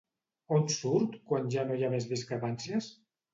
On surt quan ja no hi ha més discrepàncies?